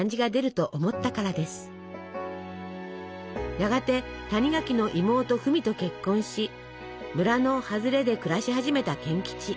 やがて谷垣の妹フミと結婚し村の外れで暮らし始めた賢吉。